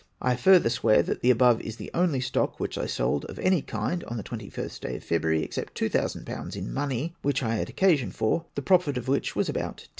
I further swear, that the above is the only stock which I sold, of any kind, on the 21st day of February, except 2000/. in money which I had occasion for, the profit of which was about 10